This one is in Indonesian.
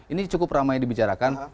ini cukup ramai dibicarakan